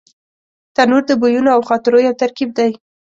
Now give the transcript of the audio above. تنور د بویونو او خاطرو یو ترکیب دی